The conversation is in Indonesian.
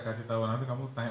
masih dalam analisa kita ya